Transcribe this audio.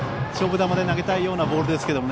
勝負球で投げたいようなボールですが。